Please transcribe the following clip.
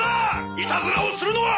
いたずらをするのは！